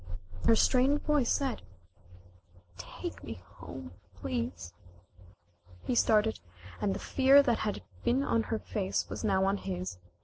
When her strained voice said: "Take me home, please," he started and the fear that had been on her face was now on his.